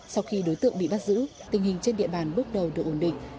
sau khi đối tượng bị bắt giữ tình hình trên địa bàn bước đầu được ổn định